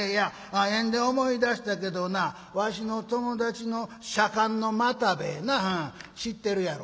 縁で思い出したけどなわしの友達の左官の又兵衛なあ知ってるやろ？」。